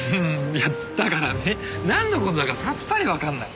いやだからねなんの事だかさっぱりわかんない。